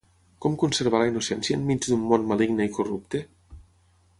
Com conservar la innocència enmig d'un món maligne i corrupte?